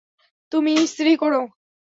তুমি ইস্ত্রি কোরো।